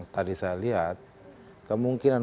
tadi saya lihat kemungkinan